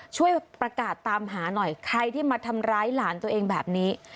ช่วยประกาศตามหาหน่อยใครที่มาทำร้ายหลานตัวเองแบบนี้